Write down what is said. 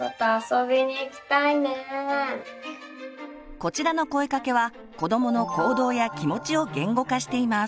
こちらの声かけは子どもの行動や気持ちを言語化しています。